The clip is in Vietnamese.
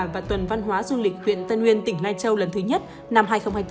và tuần văn hóa du lịch huyện tân nguyên tỉnh lai châu lần thứ nhất năm hai nghìn hai mươi bốn